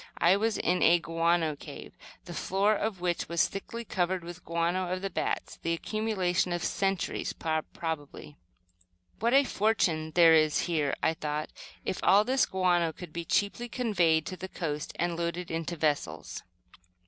I was in a guano cave, the floor of which was thickly covered with the guano of the bats, the accumulation of centuries, probably. "What a fortune there is here," I thought, "if all this guano could be cheaply conveyed to the coast and loaded into vessels."